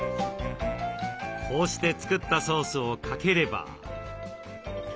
こうして作ったソースをかければ。